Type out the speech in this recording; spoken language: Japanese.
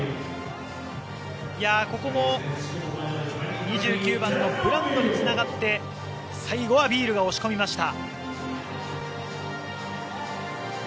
ここも２９番のブランドにつながって最後はビールが押し込みました。